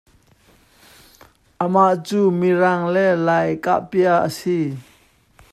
Amah cu Mirang le Lai kahpia a si.